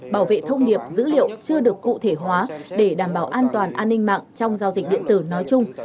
bảo vệ thông điệp dữ liệu chưa được cụ thể hóa để đảm bảo an toàn an ninh mạng trong giao dịch điện tử nói chung